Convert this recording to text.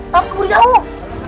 tolong keburu jauh